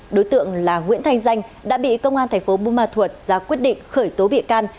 đối tượng là nguyễn thanh danh đã bị công an tp bumathuot ra quyết định khởi tố bị can